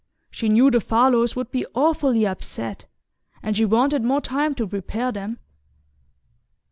She knew the Farlows would be awfully upset, and she wanted more time to prepare them."